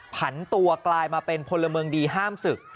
ผันตัวกลายมาเป็นพลเมืองดีห้ามศึก